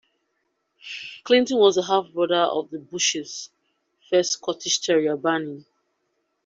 Clinton was the half-brother of the Bushes' first Scottish terrier, Barney.